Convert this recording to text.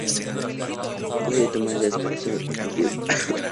Puede tomar aspecto de yegua.